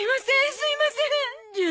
すいません！